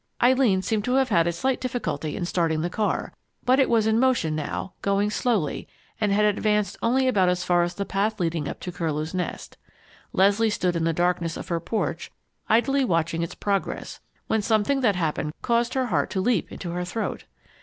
Eileen seemed to have had a slight difficulty in starting the car, but it was in motion now, going slowly, and had advanced only about as far as the path leading up to Curlew's Nest. Leslie stood in the darkness of her porch, idly watching its progress, when something that happened caused her heart to leap into her throat.